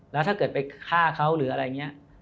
แล้วถ้าเกิดไปฆ่าเขาหรืออะไรอย่างนี้